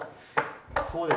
そうですね。